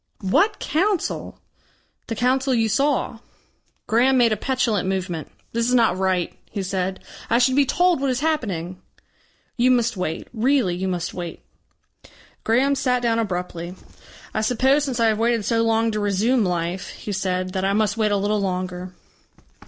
"What council?" "The Council you saw." Graham made a petulant movement. "This is not right," he said. "I should be told what is happening." "You must wait. Really you must wait." Graham sat down abruptly. "I suppose since I have waited so long to resume life," he said, "that I must wait a little longer."